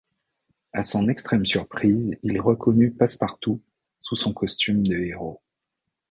À son extrême surprise, il reconnut Passepartout sous son costume de héraut.